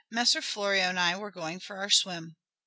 "Messer Florio and I were going for our swim."